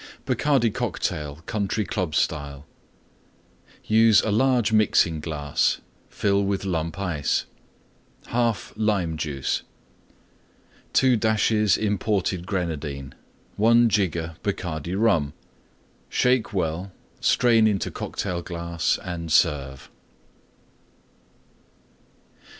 BACARDI COCKTAIL Country Club Style Use a large Mixing glass. Fill with Lump Ice. 1/2 Lime Juice. 2 dashes Imported Grenadine. 1 jigger Bacardi Rum. Shake well; strain into Cocktail glass and serve.